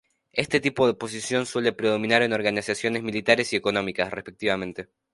Este tipo de posición suele predominar en organizaciones militares y económicas, respectivamente.